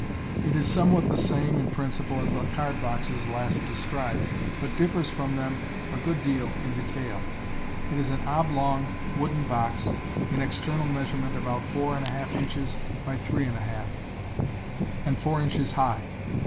It is somewhat the same in principle as the card boxes last described, but differs from them a good deal in detail. It is an oblong wooden box, in external measure ment about four and a half inches by three and a half, and four inches high.